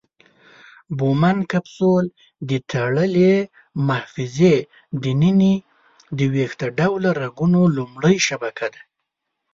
بومن کپسول د تړلې محفظې د ننه د ویښته ډوله رګونو لومړۍ شبکه ده.